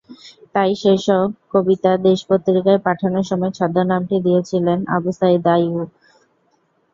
তাই সেসব কবিতা দেশ পত্রিকায় পাঠানোর সময় ছদ্মনামটি দিয়েছিলেন আবু সয়ীদ আইয়ুবই।